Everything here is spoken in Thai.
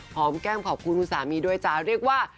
แก้มขอบคุณคุณสามีด้วยจ้าเรียกว่า